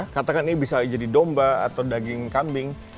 katakan ini bisa jadi domba atau daging kambing